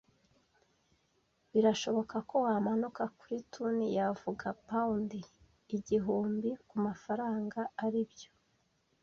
birashoboka ko wamanuka kuri toon ya, vuga pound igihumbi kumafaranga aribyo